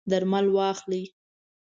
درمل واخلئ